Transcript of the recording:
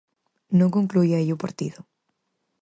Non concluía aí o partido.